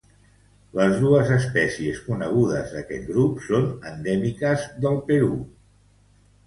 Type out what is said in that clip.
Les dues espècies conegudes d'aquest grup són endèmiques del Perú.